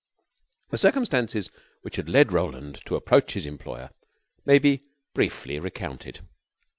The circumstances which had led Roland to approach his employer may be briefly recounted.